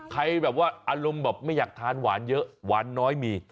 ใครแบบว่าอารมณ์แบบไม่อยากทานหวานเยอะหวานน้อยมี